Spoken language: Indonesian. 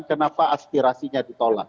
kenapa aspirasinya ditolak